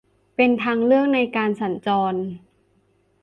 เป็นทางเลือกในการสัญจร